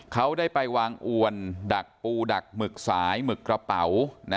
เขาได้ไปวางอวนดักปูดักหมึกสายหมึกกระเป๋า